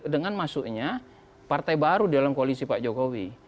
dengan masuknya partai baru dalam koalisi pak jokowi